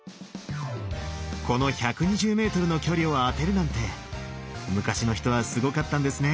この１２０ｍの距離を当てるなんて昔の人はすごかったんですね。